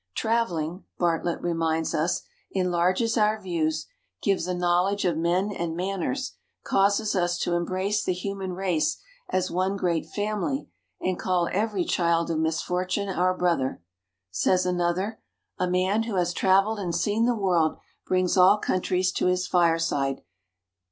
"Traveling," Bartlett reminds us, "enlarges our views, gives a knowledge of men and manners, causes us to embrace the human race as one great family, and call every child of misfortune our brother." Says another: "A man who has traveled and seen the world brings all countries to his fireside